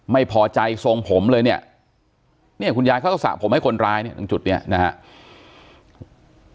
ไม่พอใจทรงผมเลยเนี่ยเนี่ยคุณยายเขาก็สระผมให้คนร้ายเนี่ยตรงจุดนี้นะครับ